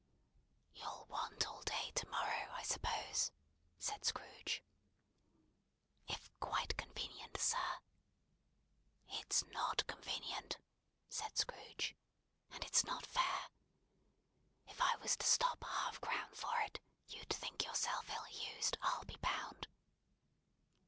"You'll want all day to morrow, I suppose?" said Scrooge. "If quite convenient, sir." "It's not convenient," said Scrooge, "and it's not fair. If I was to stop half a crown for it, you'd think yourself ill used, I'll be bound?"